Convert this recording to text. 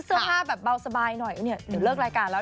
เสื้อผ้าแบบเบาสบายหน่อยเดี๋ยวเลิกรายการแล้ว